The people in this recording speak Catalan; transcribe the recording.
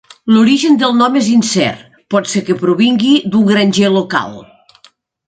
L'origen del nom és incert; pot ser que provingui d'un granger local.